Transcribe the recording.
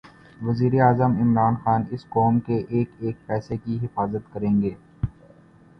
وزیراعظم عمران خان اس قوم کے ایک ایک پیسے کی حفاظت کریں گے